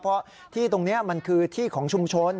เพราะที่ตรงนี้มันคือที่ของชุมชน